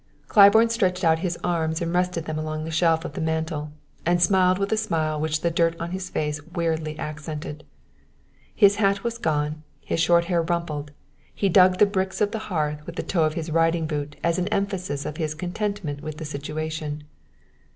Claiborne stretched out his arms and rested them along the shelf of the mantel, and smiled with a smile which the dirt on his face weirdly accented. His hat was gone, his short hair rumpled; he dug the bricks of the hearth with the toe of his riding boot as an emphasis of his contentment with the situation.